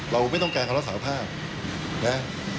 เราไม่ต้องแก่คำรับสาธารณ์ภาพ